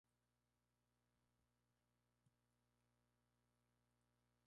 Al mando del Tte.